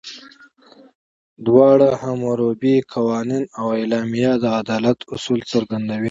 دواړه، حموربي قوانین او اعلامیه، د عدالت اصول څرګندوي.